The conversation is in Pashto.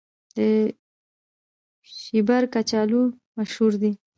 د شیبر کچالو مشهور دي